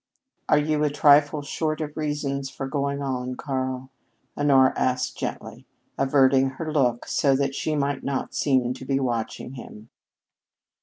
"Are you a trifle short of reasons for going on, Karl?" Honora asked gently, averting her look so that she might not seem to be watching him.